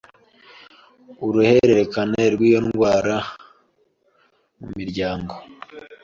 ’uruhererekane rw’iyo ndwara mu miryango.